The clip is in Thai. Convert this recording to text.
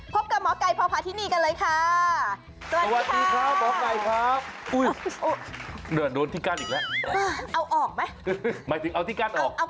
พบกับหมอกไก่พพธินีกันเลยค่ะ